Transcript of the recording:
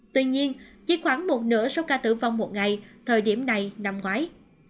tuy nhiên chỉ khoảng một nửa số ca tử vong một ngày thời điểm này năm ngoái